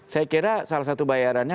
saya kira salah satu bayarannya